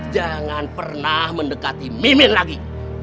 jangan pernah mendekati mimin lagi